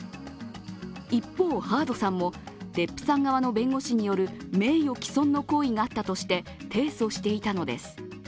一方、ハードさんもデップさん側の弁護士による名誉毀損の行為があったとして提訴していたのです。